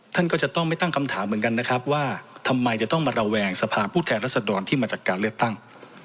ท่านก็จะต้องไม่ตั้งคำถามเหมือนกันนะครับว่าทำไมจะต้องมาระแวงสภาพผู้แทนรัศดรที่มาจากการเลือกตั้ง